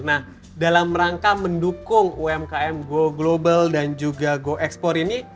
nah dalam rangka mendukung umkm go global dan juga go export ini